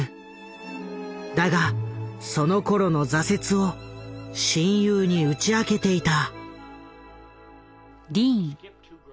だがそのころの挫折を親友に打ち明けていた。